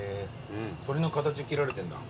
鳥の形に切られてんだ。